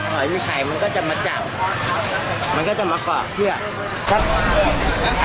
หอยมีไข่มันก็จะมาเจาะ